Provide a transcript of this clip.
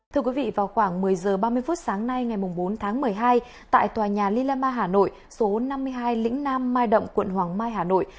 thưa quý vị vào khoảng một mươi h ba mươi phút sáng nay ngày bốn tháng một mươi hai tại tòa nhà lilama hà nội số năm mươi hai lĩnh nam mai động quận hoàng mai hà nội